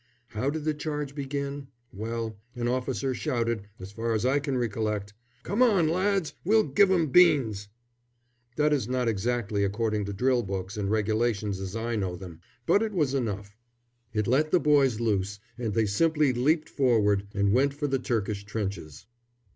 How did the charge begin? Well, an officer shouted, as far as I can recollect, "Come on, lads! We'll give 'em beans!" That is not exactly according to drill books and regulations as I know them; but it was enough. It let the boys loose, and they simply leapt forward and went for the Turkish trenches.